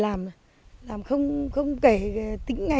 làm tôi làm có nghĩa là tôi không